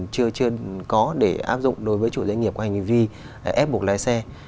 chưa có để áp dụng đối với chủ doanh nghiệp có hành vi ép buộc lái xe